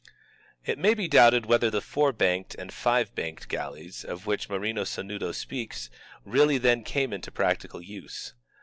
* It may be doubted whether the four banked and five banked galleys, of which Marino Sanudo speaks, really then came into practical use.